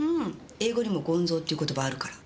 英語にも「ゴンゾウ」って言葉あるから。